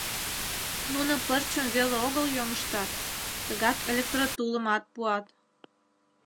Нуно пырчым веле огыл йоҥыштат, тыгак электротулымат пуат.